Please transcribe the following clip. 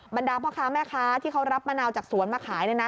มันดังเพราะค้าแม่ค้าที่เขารับมะนาวจากสวนมาขาย